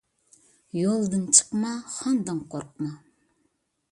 يولدىن چىقما، خاندىن قورقما.